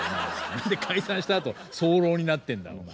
何で解散したあと早漏になってんだお前。